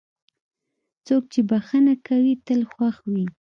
څوک چې بښنه کوي، تل خوښ وي.